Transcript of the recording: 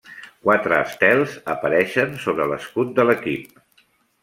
Quatre estels apareixen sobre l'escut de l'equip.